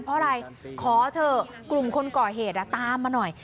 เพราะอะไรขอเถอะกลุ่มคนก่อเหตุตามมาหน่อย